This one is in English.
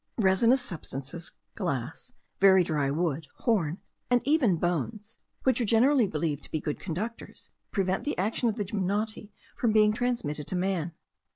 Resinous substances, glass, very dry wood, horn, and even bones, which are generally believed to be good conductors, prevent the action of the gymnoti from being transmitted to man.